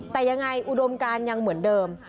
แต่ยังไงอุดมการยังเหมือนเดิม